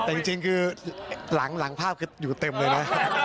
เป็นจริงหลังภาพอยู่เต็มเลยนะ